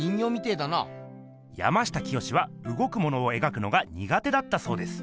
山下清はうごくものをえがくのがにがてだったそうです。